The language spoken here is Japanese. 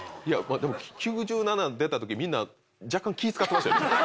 でも９７出た時みんな若干気ぃ使ってましたよ。